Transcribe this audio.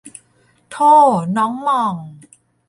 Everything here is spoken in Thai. โถ้น้องหม่อง